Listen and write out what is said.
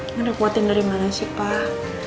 nge repotin dari mana sih pak